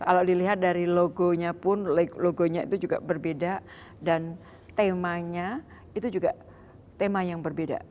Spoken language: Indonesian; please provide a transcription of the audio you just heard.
kalau dilihat dari logonya pun logonya itu juga berbeda dan temanya itu juga tema yang berbeda